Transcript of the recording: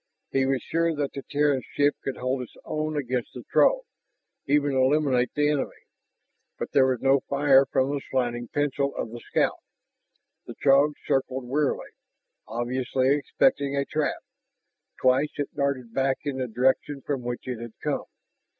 He was sure that the Terran ship could hold its own against the Throg, even eliminate the enemy. But there was no fire from the slanting pencil of the scout. The Throg circled warily, obviously expecting a trap. Twice it darted back in the direction from which it had come.